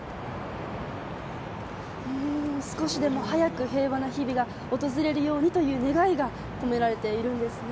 少しでも早く平和な日々が訪れるようにという願いが込められているんですね。